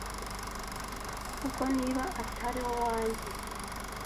Kuko niba atari uwanjye